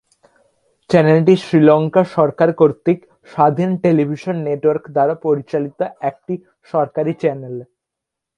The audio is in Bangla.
চ্যানেলটি শ্রীলঙ্কা সরকার কর্তৃক স্বাধীন টেলিভিশন নেটওয়ার্ক দ্বারা পরিচালিত একটি সরকারী চ্যানেল।